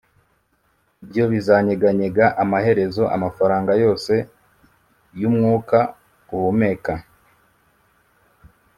ibyo bizanyeganyega amaherezo amafaranga yose yumwuka uhumeka